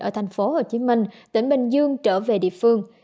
ở thành phố hồ chí minh tỉnh bình dương trở về địa phương